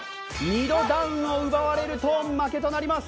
２度ダウンを奪われると負けとなります。